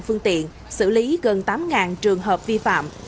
một trăm sáu mươi phương tiện xử lý gần tám trường hợp vi phạm